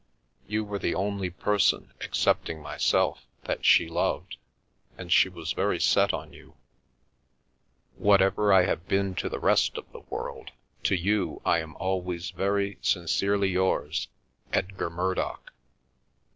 You were the only person, excepting myself, that she loved, and she was very set on you. Whatever I have 327 The Milky Way been to the rest of the world, to you I am always very sincerely yours, "Edgar Murdock."